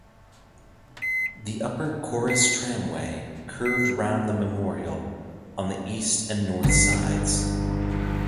The Upper Corris Tramway curved round the memorial on the east and north sides.